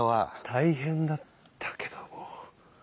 大変だったけども。